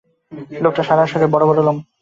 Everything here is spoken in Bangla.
লোকটার সারা শরীরে বড়-বড় লোম।